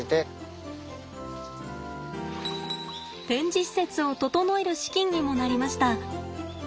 展示施設を整える資金にもなりました。